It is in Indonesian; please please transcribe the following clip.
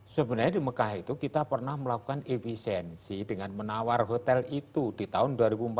sebenarnya di mekah itu kita pernah melakukan efisiensi dengan menawar hotel itu di tahun dua ribu empat belas